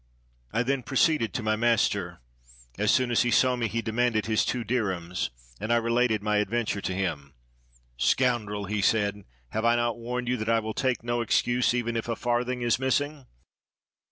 "* I then proceeded to my master. As soon as he saw me he demanded his two dirhems, and I related my ad venture to him. "Scoundrel!" he said. "Have I not warned you that I will take no excuse, even if a farthing is missing?